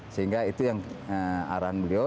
sehingga itu yang arahan beliau